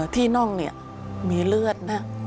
ที่น่องมีเลือดนะ